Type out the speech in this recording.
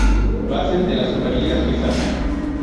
Basel de la Super Liga Suiza.